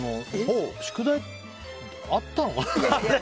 宿題ってあったのかな？